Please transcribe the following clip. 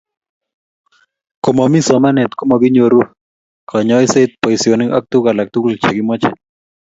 Komomii somanet komakinyoru kanyoiset, boishonik ak tukul alak tukul che kimoche